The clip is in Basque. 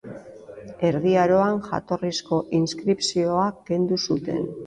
Erdi Aroan jatorrizko inskripzioa kendu zuten.